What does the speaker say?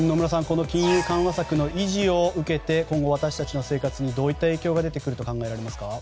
この金融緩和策の維持を受けて今後、私たちの生活にどういった影響が出てくると考えられますか。